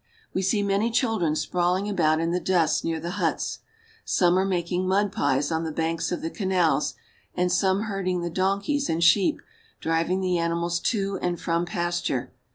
We see many children sprawling about in the dust near the huts. Some are making mud pies on the banks of the canals, and some herding the donkeys and sheep, driving the animals to and from pasture.